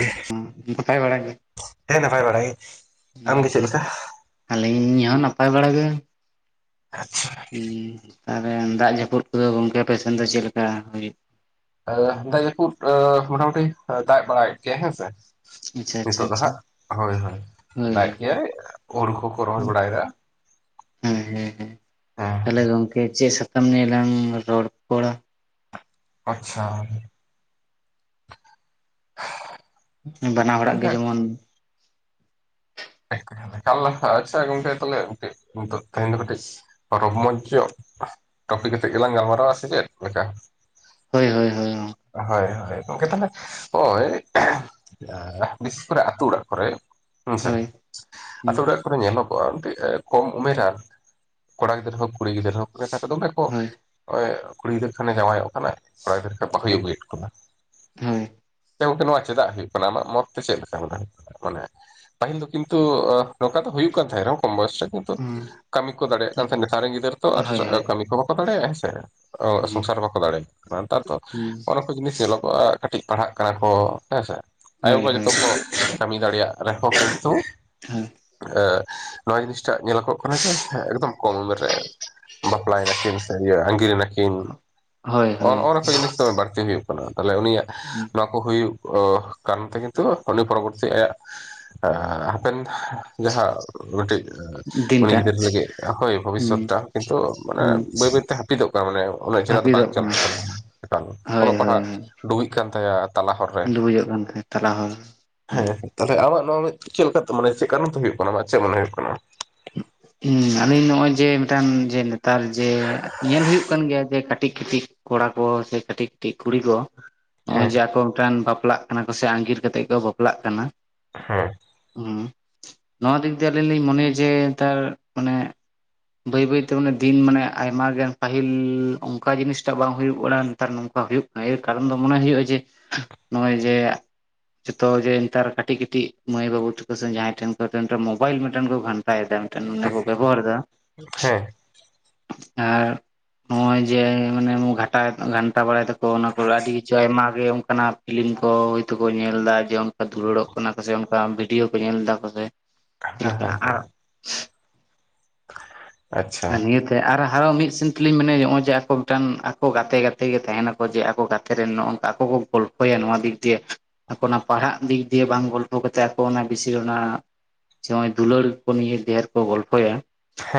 ᱜᱮ ᱱᱟᱯᱟᱭ ᱵᱟᱲᱟ ᱜᱮ ᱦᱮᱸ ᱱᱟᱯᱟᱭ ᱵᱟᱲᱟᱭ ᱟᱢᱜᱮ ᱪᱮᱫ ᱞᱮᱠᱟ ᱟᱞᱤᱧ ᱤᱧᱦ ᱱᱟᱯᱟᱭ ᱵᱟᱲᱟᱟᱜ ᱜᱮ᱾ ᱟᱪᱪᱷᱟ ᱛᱟᱦᱮ ᱫᱟᱜ ᱡᱟᱹᱯᱩᱫ ᱠᱚᱫᱚ ᱜᱚᱝᱠᱮ ᱯᱮᱥᱮᱱ ᱫᱚ ᱪᱮᱫ ᱞᱮᱠᱟ ᱦᱩᱭᱩᱜ? ᱫᱟᱜ ᱡᱟᱹᱯᱩᱫ ᱢᱚᱴᱟᱢᱩᱴᱤ ᱫᱟᱜ ᱵᱟᱲᱟᱭᱮᱫ ᱜᱮᱭᱟᱭ ᱦᱮᱸᱥᱮ᱾ ᱟᱪᱪᱷᱟ ᱟᱪᱪᱷᱟ ᱱᱤᱛᱳᱜ ᱫᱚ ᱟᱪᱪᱷᱟ ᱦᱟᱸᱜ ᱦᱳᱭ ᱦᱳᱭ ᱦᱳᱭ ᱫᱟᱜ ᱜᱮᱭᱟᱭ ᱦᱩᱲᱩ ᱠᱚᱠᱚ ᱨᱚᱦᱚᱭ ᱵᱟᱲᱟᱭᱟᱫᱟ᱾ ᱦᱮᱸ ᱦᱮᱸ ᱦᱮᱸ ᱦᱮᱸ ᱛᱟᱦᱚᱞᱮ ᱜᱚᱝᱠᱮ ᱪᱮᱫ ᱥᱟᱠᱟᱢ ᱱᱤᱭᱮ ᱞᱟᱝ ᱨᱚᱲᱯᱚᱲᱟ᱾ ᱟᱪᱪᱷᱟ ᱵᱟᱱᱟ ᱦᱚᱲᱟᱜ ᱜᱮ ᱡᱮᱢᱚᱱ [inaudible] ᱟᱪᱪᱷᱟ ᱜᱚᱝᱠᱮ ᱛᱟᱞᱮ ᱛᱮᱦᱮᱧ ᱫᱚ ᱠᱟᱴᱤᱡ ᱨᱚᱢᱢᱚᱡᱽ ᱧᱚᱜ ᱴᱚᱯᱤ ᱠᱟᱛᱮᱫ ᱜᱮᱞᱟᱝ ᱜᱟᱞᱢᱟᱨᱟᱣᱟ ᱥᱮ ᱪᱮᱫ ᱞᱮᱠᱟ? ᱦᱳᱭ ᱦᱳᱭ ᱦᱳᱭ [inaudible] ᱦᱳᱭ ᱦᱳᱭ ᱜᱠᱮ ᱛᱟᱦᱚᱞᱮ ᱳᱭ ᱵᱤᱥᱮᱥ ᱠᱚᱨᱮ ᱟᱛᱳ ᱚᱲᱟᱜ ᱠᱚᱨᱮ ᱦᱮᱸᱥᱮ ᱦᱳᱭ ᱦᱳᱭ ᱟᱹᱛᱩ ᱚᱲᱟᱜ ᱠᱚᱨᱮ ᱧᱮᱞᱚᱜᱚᱜᱼᱟ ᱢᱤᱫᱴ ᱠᱚᱢ ᱩᱢᱮᱨᱟᱱ ᱠᱚᱲᱟ ᱜᱤᱫᱽᱟᱹᱨ ᱦᱳᱠ ᱠᱩᱲᱤ ᱜᱤᱫᱽᱟᱹᱨ ᱦᱳᱠ ᱢᱮᱛᱟᱨ ᱫᱚ ᱫᱚᱢᱮ ᱠᱚ ᱦᱳᱭ ᱚᱭ ᱠᱩᱲᱤᱫᱟᱹᱨ ᱠᱷᱟᱱᱮ ᱡᱟᱶᱟᱭᱚᱜ ᱠᱟᱱᱟᱭ ᱠᱚᱲᱟ ᱜᱤᱫᱟᱹᱨᱟᱹ ᱠᱷ ᱵᱟ ᱦᱩᱭ ᱟᱹᱜᱩᱭᱮᱫᱚᱣᱟ᱾ ᱦᱳᱭ ᱠᱮ ᱱᱚᱣᱟ ᱪᱮᱫᱟᱜ ᱦᱩᱭᱩᱜ ᱠᱟᱱᱟ ᱟᱢᱟᱜ ᱢᱚᱛ ᱛᱮ ᱪᱮᱫ ᱞᱮᱠᱟ ᱦᱩᱭᱩᱜ ᱠᱟᱱᱟ ᱢᱟᱱᱮ ᱯᱟᱹᱦᱤᱞ ᱫᱚ ᱠᱤᱱᱛᱩ ᱱᱚᱝᱠᱟ ᱫᱚ ᱦᱩᱭᱩᱜᱭᱳᱜ ᱠᱟᱱ ᱛᱟᱦᱮᱸ ᱨᱮᱦᱚᱸ ᱠᱚᱢ ᱵᱚᱭᱮᱥᱴ ᱨᱮ ᱠᱤᱱᱛᱩ ᱠᱟᱹᱢᱤ ᱠᱚ ᱫᱟᱲᱮᱭᱟᱜ ᱠᱟᱱ ᱛᱟᱦᱮᱸᱫ ᱱᱮᱛᱟᱨ ᱨᱮᱱ ᱜᱤᱫᱟᱹᱨ ᱛᱚ ᱟᱨ ᱦᱳᱭ ᱠᱟᱹᱢᱤ ᱠᱚ ᱵᱟᱠᱚ ᱫᱟᱲᱮᱭᱟᱜᱼᱟ ᱦᱮᱸ ᱥᱮ ᱥᱚᱝᱥᱟᱨ ᱵᱟᱠᱚ ᱫᱟᱲᱮᱭᱟᱜ ᱠᱟᱱᱟ ᱱᱮᱛᱟᱨ ᱫᱚ᱾ ᱚᱱᱟᱚᱱ ᱠᱚ ᱡᱤᱱᱤᱥ ᱧᱮᱞᱚᱜᱚᱜᱼᱟ ᱠᱟᱹᱴᱤᱡ ᱯᱟᱲᱦᱟᱜ ᱠᱟᱱᱟ ᱠᱚ ᱦᱮᱸ ᱥᱮ ᱦᱳᱭ ᱟᱭᱳᱼᱵᱟ ᱡᱚᱛᱚ ᱠᱚ ᱠᱟᱹᱢᱤ ᱫᱟᱲᱮᱭᱟᱜ ᱨᱮᱦᱚᱸ ᱠᱤᱱᱛᱩ ᱮ ᱱᱚᱣᱟ ᱡᱤᱱᱤᱥᱴᱟᱜ ᱧᱮᱞᱚᱜᱚᱜ ᱠᱟᱱᱟ ᱡᱮ ᱮᱠᱫᱚᱢ ᱠᱚᱢ ᱩᱢᱮᱨ ᱨᱮ ᱵᱟᱯᱞᱟᱭᱱᱟ ᱠᱤᱱ ᱥᱮ ᱤᱭᱟᱹ ᱟᱝᱜᱤᱨ ᱱᱟᱠᱤᱱ ᱦᱳᱭ ᱱᱚᱜ ᱦᱳᱭ ᱱᱚᱜ ᱱᱚᱣᱟ ᱠᱚ ᱡᱤᱱᱤᱥ ᱫᱚ ᱵᱟᱹᱲᱛᱤ ᱦᱩᱭᱩᱜ ᱠᱟᱱᱟ ᱛᱟᱦᱚᱞᱮ ᱩᱱᱤᱭᱟᱜ ᱱᱚᱣᱟ ᱠᱚ ᱦᱩᱭᱩᱜ ᱠᱟᱨᱚᱱ ᱛᱮ ᱜᱮ ᱛᱚ ᱩᱱᱤ ᱯᱚᱨᱚᱵᱚᱨᱛᱤ ᱟᱭᱟᱜ ᱦᱟᱯᱮᱱ ᱡᱟᱦᱟᱸ ᱩᱱᱤ ᱴᱤ ᱩᱱᱤ ᱫᱤᱱᱴᱟᱜ ᱜᱤᱫᱽᱨᱟᱹ ᱞᱟᱹᱜᱤᱫ ᱦᱳᱭ ᱵᱷᱚᱵᱤᱥᱥᱚᱛ ᱴᱟ ᱦᱚᱜ ᱠᱤᱱᱛᱩ ᱢᱟᱱᱮ ᱵᱟᱹᱭ ᱵᱟᱹᱭ ᱡᱟᱹᱯᱤᱫᱚᱜ ᱠᱟᱱᱟ ᱢᱟᱱᱮ ᱩᱱᱚᱜ ᱪᱮᱦᱨᱟ ᱫᱚ ᱵᱟᱝ ᱦᱟᱹᱯᱤᱫᱚᱜ ᱠᱟᱱᱟ ᱪᱟᱞᱟᱜ ᱠᱟᱱᱟ ᱦᱳᱭ ᱚᱞᱚᱜ ᱦᱳᱭ ᱯᱟᱲᱦᱟᱜ ᱰᱩᱵᱜ ᱠᱟᱱ ᱛᱟᱭᱟ ᱛᱟᱞᱟ ᱦᱚᱨ ᱨᱮ ᱰᱩᱵᱩᱡᱚᱜ ᱠᱟᱱ ᱛᱟᱦᱮᱸᱜ ᱛᱟᱞᱟ ᱦᱚᱲ ᱦᱮᱸ ᱛᱟᱦᱚᱞᱮ ᱟᱢᱟᱜ ᱱᱚᱣᱟ ᱢᱮ ᱪᱮᱫ ᱞᱮᱠᱟᱛᱮ ᱢᱟᱱᱮ ᱪᱮᱫ ᱠᱟᱨᱚᱱ ᱛᱮ ᱦᱩᱭᱩᱜ ᱠᱟᱱᱟ ᱪᱮᱫ ᱢᱚᱱᱮ ᱦᱩᱭᱩᱜ ᱠᱟᱱᱟ [unintelligible] ᱦᱮᱸ ᱟᱞᱤᱧ ᱱᱚᱜ ᱚᱚᱭ ᱡᱮ ᱢᱤᱫᱴᱟᱝ ᱡᱮ ᱱᱮᱛᱟᱨ ᱡᱮ ᱧᱮᱞ ᱦᱩᱭᱩᱜᱭ ᱠᱟᱱ ᱜᱮᱭᱟ ᱡᱮ ᱠᱟᱹᱴᱤᱡ ᱠᱟᱹᱴᱤᱡ ᱠᱚᱲᱟ ᱠᱚ ᱥᱮ ᱠᱟᱹᱴᱤᱡ ᱠᱟᱹᱴᱤᱡ ᱠᱩᱲᱤ ᱠᱚ ᱱᱚᱜᱚᱭ ᱦᱮᱸ ᱡᱮ ᱟᱠᱚ ᱚᱱᱠᱟᱱ ᱵᱟᱯᱞᱟᱜ ᱠᱟᱱᱟ ᱠᱚ ᱥᱮ ᱟᱸᱜᱤᱨ ᱠᱟᱛᱮᱜ ᱠᱚ ᱵᱟᱯᱞᱟᱜ ᱠᱟᱱᱟ᱾ ᱦᱮᱸ ᱦᱮᱸ ᱱᱚᱣᱟ ᱫᱤᱠ ᱫᱤᱭᱮ ᱟᱹᱞᱤᱧ ᱞᱤᱧ ᱢᱚᱱᱮᱭᱟ ᱡᱮ ᱱᱮᱛᱟᱨ ᱢᱟᱱᱮ ᱵᱟᱹᱭ ᱵᱟᱹᱭ ᱛᱮ ᱢᱟᱱᱮ ᱫᱤᱱ ᱢᱟᱱᱮ ᱟᱭᱢᱟᱜᱟᱱ ᱯᱟᱹᱦᱤᱞ ᱚᱱᱠᱟ ᱡᱤᱱᱤᱥᱴᱟᱜ ᱵᱟᱝ ᱦᱩᱭᱩᱜ ᱠᱟᱱᱟ ᱱᱮᱛᱟᱨ ᱱᱚᱝᱠᱟ ᱦᱩᱭᱩᱜ ᱠᱟᱱᱟ ᱮᱭᱨ ᱠᱟᱨᱚᱱ ᱫᱚ ᱢᱚᱱᱮ ᱦᱩᱭᱩᱜᱼᱟ ᱡᱮ ᱱᱚᱜᱼᱚᱭ ᱡᱮ ᱡᱚᱛᱚ ᱡᱮ ᱱᱮᱛᱟᱨ ᱠᱟᱹᱴᱤᱡ ᱠᱟᱹᱴᱤᱡ ᱢᱟᱹᱭ ᱵᱟᱹᱵᱩ ᱛᱟᱠᱚ ᱥᱮ ᱡᱟᱦᱟᱸᱭ ᱴᱷᱮᱱ ᱢᱳᱵᱟᱭᱤᱞ ᱢᱤᱫᱴᱮᱱ ᱠᱚ ᱜᱷᱟᱱᱴᱟ ᱯᱷᱟᱭᱫᱟ ᱱᱤᱱᱚᱜ ᱵᱚᱨ ᱫᱟ ᱦᱮᱸ ᱟᱨ ᱱᱚᱜᱚᱭ ᱡᱮ ᱢᱟᱱᱮ ᱜᱷᱟᱴᱟ ᱜᱷᱟᱱᱴᱟ ᱵᱟᱲᱟᱭ ᱫᱟᱠᱚ ᱚᱱᱟ ᱠᱚ ᱟᱹᱰᱤ ᱠᱤᱪᱷᱩ ᱟᱭᱢᱟᱜ ᱜᱮ ᱚᱱᱠᱟᱱᱟᱜ ᱯᱷᱤᱞᱤᱢ ᱠᱚ ᱦᱳᱭ ᱛᱚ ᱠᱚ ᱧᱮᱞ ᱫᱟ ᱡᱮ ᱚᱱᱠᱟ ᱫᱩᱞᱟᱹᱲᱚᱜ ᱠᱟᱱᱟ ᱠᱚᱥᱮ ᱚᱱᱠᱟ ᱵᱷᱤᱰᱤᱭᱳ ᱠᱚ ᱧᱮᱞ ᱫᱟ ᱠᱚ ᱥᱮ ᱦᱮᱸ ᱪᱮᱫ ᱞᱮᱠᱟ ᱦᱮᱸ ᱦᱮᱸᱸ ᱟᱪᱪᱷᱟ ᱦᱮᱸᱱᱤᱭᱚ ᱟᱨ ᱦᱟᱣ ᱢᱤᱫ ᱥᱮᱱ ᱛᱮᱞᱤᱧ ᱢᱮᱱᱟ ᱱᱚᱜᱼᱚᱭ ᱡᱮ ᱟᱠᱚ ᱢᱤᱫᱴᱟᱝ ᱟᱠᱚ ᱜᱟᱛᱮ ᱜᱟᱛᱮ ᱜᱮ ᱛᱟᱦᱮᱱᱟᱠᱚ ᱡᱮ ᱟᱠᱚ ᱜᱟᱛᱮ ᱛᱮ ᱨᱮ ᱱᱚᱜᱝᱠᱟ ᱟᱠᱚ ᱠᱚ ᱜᱚᱞᱯᱷᱚᱭᱟ ᱱᱚᱣᱟ ᱫᱤᱠ ᱫᱤᱭᱮ ᱟᱠᱚ ᱚᱱᱟ ᱯᱟᱲᱦᱟᱜ ᱫᱤᱠ ᱫᱤᱭᱮ ᱵᱟᱝ ᱜᱚᱞᱯᱚ ᱠᱟᱛᱮᱫ ᱟᱠᱚ ᱚᱱᱟ ᱵᱤᱥᱤ ᱚᱱᱟ ᱟᱪᱷᱟ ᱫᱩᱞᱟᱹᱲ ᱠᱚ ᱱᱤᱭ ᱰᱷᱮᱨ ᱠᱚ ᱜᱚᱞᱯᱷᱚᱭᱟ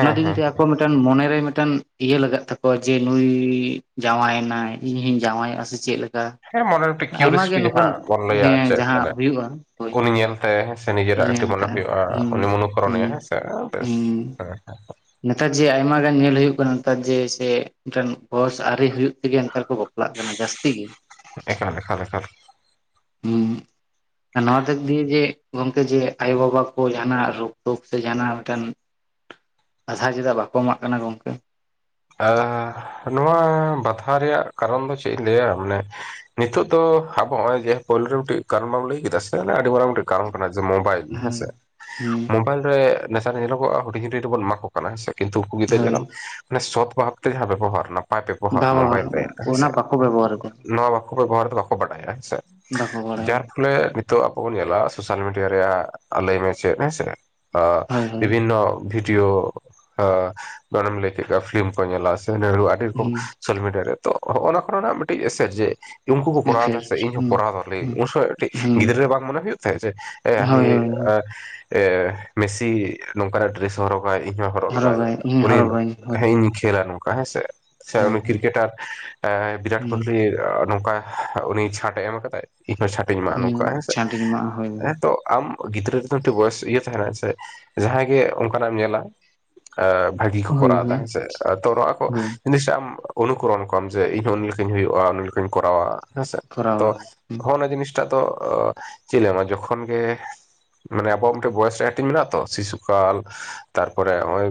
ᱚᱱᱟ ᱦᱮᱸ ᱢᱤᱫᱴᱮᱱ ᱢᱚᱱᱮᱨᱮ ᱢᱤᱫᱴᱟᱱ ᱤᱭᱟᱹ ᱞᱟᱜᱟᱜ ᱛᱟᱠᱚᱣᱟ ᱡᱮ ᱱᱩᱭ ᱡᱟᱶᱢᱟᱭᱮᱱᱟᱭ ᱤᱧ ᱦᱚᱧ ᱡᱟᱶᱢᱟᱭᱟᱜ ᱥᱮ ᱪᱮ ᱞᱮᱠᱟ ᱦᱮᱸ ᱢᱚᱱᱮ ᱢᱤᱫᱴᱤ ᱟᱭᱢᱟ ᱜᱮ ᱠᱩᱨᱤᱥᱴᱤ ᱱᱚᱝᱠᱟᱱ ᱡᱟᱦᱟᱸ ᱵᱚᱱ ᱞᱟᱹᱭ ᱟᱜ ᱦᱮᱸ ᱢᱟᱱᱮ ᱡᱟᱦᱟᱸ ᱦᱩᱭᱩᱜᱼᱟ ᱦᱳᱭ ᱩᱱᱤ ᱧᱮᱞᱛᱮ ᱦᱮᱸ ᱥᱮ ᱱᱤᱡᱮᱨᱟᱜ ᱠᱟᱹᱴᱤᱡ ᱧᱮᱞ ᱢᱚᱱᱮ ᱠᱟᱜᱼᱟ ᱦᱩᱭᱩᱜᱼᱟ ᱩᱱᱤ ᱦᱩᱸ ᱢᱚᱱᱩᱠᱚᱨᱚᱱᱮᱭᱟ ᱦᱩᱸ ᱦᱮᱸᱥᱮ ᱵᱮᱥ ᱦᱩᱸ ᱟᱪᱷᱟ [unintelligible] ᱱᱮᱛᱟᱨ ᱡᱮ ᱟᱭᱢᱟ ᱜᱟᱱ ᱧᱮᱞ ᱦᱩᱭᱩᱜ ᱠᱟᱱᱟ ᱱᱮᱛᱟᱨ ᱡᱮ ᱥᱮ ᱢᱤᱫᱴᱟᱝ ᱵᱚᱥ ᱟᱹᱨᱤ ᱦᱩᱭᱩᱜ ᱛᱮᱜᱮ ᱱᱮᱛᱟᱨ ᱠᱚ ᱪᱟᱞᱟᱜ ᱠᱟᱱᱟ ᱡᱟᱹᱥᱛᱤ ᱜᱮ ᱮᱠᱷᱚᱱ ᱮᱠᱷᱚᱱ ᱮᱠᱷᱚᱱ [unintelligible] ᱦᱩᱸ ᱱᱚᱣᱟ ᱫᱤᱠ ᱫᱤᱭᱮ ᱡᱮ ᱜᱚᱝᱠᱮ ᱡᱮ ᱟᱭᱳ ᱵᱟᱵᱟ ᱠᱚ ᱡᱟᱦᱱᱟᱜ ᱨᱳᱜ ᱴᱳᱜ ᱛᱮ ᱡᱟᱦᱱᱟᱜ ᱢᱤᱫᱴᱟᱝ ᱠᱟᱫᱷᱟ ᱪᱮᱫᱟᱜ ᱵᱟᱠᱚ ᱮᱢᱟᱜ ᱠᱟᱱᱟ ᱜᱚᱝᱠᱮ ᱱᱚᱣᱟ ᱵᱟᱛᱷᱟ ᱨᱮᱭᱟᱜ ᱠᱟᱨᱚᱱ ᱫᱚ ᱪᱮᱫ ᱤᱧ ᱞᱟᱹᱭᱟ ᱢᱟᱱᱮ ᱱᱤᱛᱚᱜ ᱫᱚ ᱟᱵᱚ ᱱᱚᱜᱚᱭ ᱡᱮ ᱯᱳᱭᱞᱳ ᱨᱮ ᱢᱤᱫᱴᱤᱡ ᱠᱟᱨᱚᱱ ᱵᱟᱢ ᱞᱟᱹᱭ ᱠᱮᱫᱟ ᱥᱮ ᱟᱹᱰᱤ ᱢᱟᱨᱟᱝ ᱢᱤᱫᱴᱮ ᱠᱚᱨᱚᱱ ᱠᱟᱱᱟ ᱡᱮ ᱢᱳᱵᱟᱭᱤᱞ ᱦᱮᱸ ᱦᱩᱸ ᱥᱮ ᱦᱩᱸ ᱢᱳᱵᱟᱭᱤᱞ ᱨᱮ ᱱᱮᱛᱟᱨ ᱧᱮᱞᱚᱜᱼᱟ ᱦᱩᱰᱤᱧ ᱦᱩᱴᱤ ᱵᱚᱱ ᱮᱢᱟ ᱠᱚᱣᱟ ᱠᱤᱱᱛᱩ ᱩᱱᱠᱩ ᱜᱤᱫᱽᱨᱟᱹ ᱧᱮᱞ ᱦᱳᱭ ᱞᱟᱢ ᱥᱚᱛ ᱵᱷᱟᱵ ᱛᱮ ᱡᱟᱦᱟᱸ ᱵᱮᱵᱚᱦᱟᱨ ᱱᱟ ᱯᱟᱯᱮ ᱯᱚᱦᱟ ᱵᱟᱵᱚᱦᱟᱨ ᱢᱳᱢᱵᱟᱭᱤᱞ ᱛᱮ ᱦᱮᱸ ᱚᱱᱟ ᱥᱮ ᱵᱟᱠᱚ ᱵᱮᱵᱚᱦᱟᱨ ᱮᱫᱟ ᱱᱚᱣᱟ ᱵᱟᱠᱚ ᱵᱮᱵᱚᱦᱟᱨ ᱫᱚ ᱵᱟᱠᱚ ᱵᱟᱰᱟᱭᱟ ᱦᱮᱸ ᱥᱮ ᱵᱟᱠᱚ ᱵᱟᱲᱟᱭᱟ ᱡᱟᱨ ᱯᱷᱚᱞᱮ ᱛᱳ ᱟᱵᱚ ᱵᱚᱱ ᱧᱮᱞᱟᱜ ᱥᱳᱥᱟᱞ ᱢᱤᱰᱤᱭᱟ ᱨᱮᱭᱟᱜ ᱞᱟᱹᱭ ᱢᱮ ᱪᱮᱫ ᱦᱮᱸᱥᱮ ᱦᱳᱭ ᱦᱳᱭ ᱵᱤᱵᱷᱤᱱᱱᱚ ᱵᱷᱤᱰᱤᱭᱳ ᱟᱨ ᱟᱨ ᱮᱢ ᱞᱟᱹᱭ ᱠᱮᱫᱣᱟ ᱯᱷᱤᱞᱤᱢ ᱠᱚ ᱧᱮᱞᱟ ᱥᱮ ᱟᱹᱰᱤ ᱨᱚᱠᱚᱢ ᱦᱩᱸ ᱥᱳᱥᱟᱞ ᱢᱤᱰᱤᱭᱟ ᱨᱮ ᱛᱚ ᱦᱚᱜ ᱚᱱᱟ ᱠᱚ ᱨᱮᱱᱟᱜ ᱢᱤᱫᱴᱤᱡ ᱮᱥᱮᱨ ᱡᱮ ᱩᱱᱠᱩ ᱠᱚ ᱠᱚᱨᱟᱣ ᱫᱟ ᱥᱮ ᱤᱯᱷᱮᱠᱴ ᱤᱧ ᱦᱚᱸ ᱦᱩᱸ ᱠᱚᱨᱟᱣ ᱫᱟ ᱞᱤᱧ ᱦᱩᱸ ᱩᱱ ᱥᱚᱢᱚᱭ ᱠᱟᱴᱤᱡ ᱦᱩᱸ ᱜᱤᱫᱽᱨᱟᱹ ᱵᱟᱝ ᱢᱚᱱᱮ ᱦᱩᱭᱩᱜ ᱛᱟᱭᱟᱜ ᱡᱮ ᱮ ᱦᱟᱱᱤ ᱦᱳᱭ ᱦᱳᱭ ᱟᱨ ᱢᱮᱥᱤ ᱱᱚᱝᱠᱟᱱᱟᱜ ᱰᱨᱮᱥ ᱮ ᱦᱚᱨᱚᱜᱟ ᱤᱧ ᱦᱚᱸ ᱦᱚᱨᱚᱜ ᱞᱟᱜᱟᱣ ᱦᱚᱨᱚᱜᱟᱭ ᱤᱧ ᱩᱱᱤ ᱦᱚᱨᱚᱜᱟᱹᱧ ᱦᱳᱭ ᱦᱮᱸ ᱤᱧ ᱠᱷᱮᱞᱟ ᱱᱚᱝᱠᱟ ᱦᱮᱸᱥᱮ ᱥᱮ ᱦᱳᱭ ᱦᱳᱭ ᱠᱨᱤᱠᱮᱴᱟᱨ ᱵᱤᱨᱟᱴ ᱠᱳᱦᱞᱤ ᱱᱚᱝᱠᱟ ᱩᱱᱤ ᱪᱷᱟᱴᱮ ᱮᱢ ᱠᱟᱫᱟᱭ ᱤᱧᱦᱚᱸ ᱪᱷᱟᱴᱤᱧ ᱮᱢᱟᱜᱼᱟ ᱱᱚᱝᱠᱟ ᱦᱩᱸ ᱦᱮᱸᱥᱮ ᱪᱷᱟᱹᱴᱤᱧ ᱮᱢᱟᱜᱼᱟ ᱦᱳᱭ ᱦᱮᱸᱛᱚ, ᱟᱢ ᱜᱤᱫᱽᱨᱟᱹ ᱨᱮᱫᱚ ᱢᱤᱫᱴᱮᱱ ᱵᱚᱭᱮᱥ ᱤᱭᱟᱹ ᱛᱟᱦᱮᱱᱟ ᱥᱮ ᱡᱟᱦᱟᱸᱭ ᱜᱮ ᱚᱱᱠᱟᱱᱟᱜ ᱮᱢ ᱧᱮᱞᱟ ᱮ ᱵᱷᱟᱜᱤ ᱠᱚ ᱦᱳᱭ ᱠᱚᱨᱟᱣ ᱮᱫᱟ ᱦᱳᱭ ᱦᱮᱸᱥᱮ ᱛᱚ ᱱᱚᱣᱟ ᱠᱚ ᱦᱳᱭ ᱡᱤᱱᱤᱥ ᱟᱢ ᱚᱱᱩᱠᱚᱨᱚᱱ ᱠᱚᱣᱟᱢ ᱡᱮ ᱤᱧᱦᱚ ᱩᱱᱤ ᱞᱮᱠᱟᱧ ᱦᱩᱭᱩᱜ-ᱟ ᱩᱱᱤ ᱞᱮᱠᱟᱧ ᱠᱚᱨᱟᱣᱟ ᱦᱮᱸᱥᱮ ᱛᱚ ᱠᱚᱨᱟᱣᱟ ᱦᱚᱜᱱᱟ ᱡᱤᱱᱤᱥ ᱴᱟ ᱫᱚ ᱪᱤᱞᱮᱢᱟ ᱡᱚᱠᱷᱚᱱ ᱜᱮ ᱢᱟᱱᱮ ᱟᱵᱚᱣᱟᱜ ᱢᱤᱫᱴᱮᱱ ᱵᱚᱭᱮᱥ ᱨᱮᱭᱟᱜ ᱦᱟᱹᱴᱤᱧ ᱢᱮᱱᱟᱜ-ᱟ ᱛᱚ ᱥᱤᱥᱩᱠᱟᱞ ᱛᱟᱨᱯᱚᱨᱮ ᱱᱚᱜ-ᱚᱭ